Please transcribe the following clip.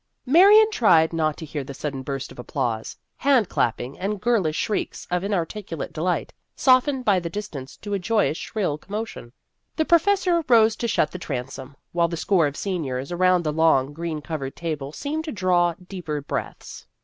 MARION tried not to hear the sudden burst of applause hand clapping and girlish shrieks of inarticulate delight softened by distance to a joyous shrill commotion. The professor rose to shut the transom, while the score of seniors around the long green covered table seemed to draw deeper breaths.